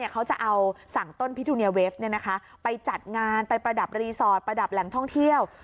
เขาจะเอาสั่งต้นพิทูเนียเวฟไปจัดงานไปประดับรีสอร์ทประดับแหล่งท่องเที่ยว